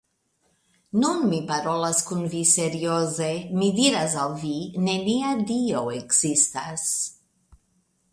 Nun mi parolas kun vi serioze, mi diras al vi: nenia Dio ekzistas!